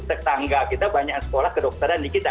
tetangga kita banyak sekolah kedokteran di kita